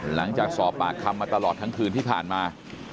หลังจากสอบปากคำมาตลอดทั้งคืนที่ผ่านมา